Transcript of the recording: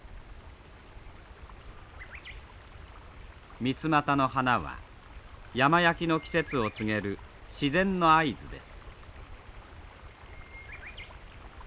ミツマタの花は山焼きの季節を告げる自然の合図です。